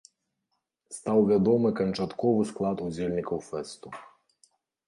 Стаў вядомы канчатковы склад удзельнікаў фэсту.